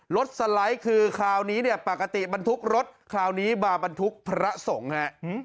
สไลด์คือคราวนี้เนี่ยปกติบรรทุกรถคราวนี้มาบรรทุกพระสงฆ์ฮะ